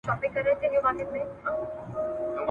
هغه بل پر منبر ستونی وي څیرلی ,